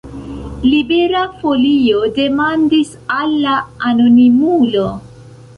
Libera Folio demandis al la anonimulo.